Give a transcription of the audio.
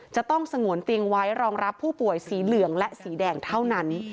จะต้องสงวนเตียงไว้รองรับผู้ป่วยสีเหลืองและสีแดงเท่านั้น